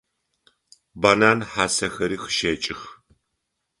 Банан хьасэхэри къыщэкӏых.